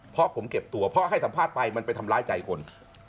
เพราะผมเก็บตัวเพราะให้สัมภาษณ์ไปมันไปทำร้ายใจคน